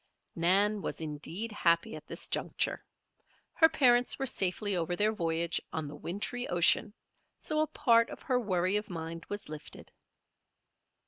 Nan was indeed happy at this juncture. Her parents were safely over their voyage on the wintry ocean, so a part of her worry of mind was lifted.